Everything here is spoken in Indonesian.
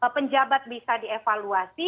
penjabat bisa dievaluasi